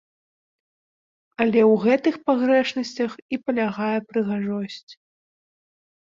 Але ў гэтых пагрэшнасцях і палягае прыгажосць.